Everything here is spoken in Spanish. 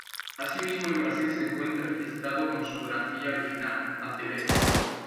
Asimismo, en Brasil se encuentra registrado con su grafía original: Azevedo.